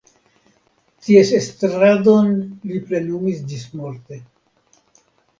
Ties estradon li plenumis ĝismorte.